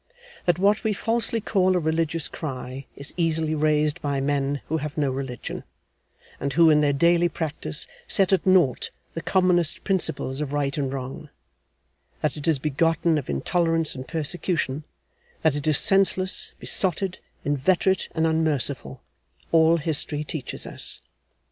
That what we falsely call a religious cry is easily raised by men who have no religion, and who in their daily practice set at nought the commonest principles of right and wrong; that it is begotten of intolerance and persecution; that it is senseless, besotted, inveterate and unmerciful; all History teaches us.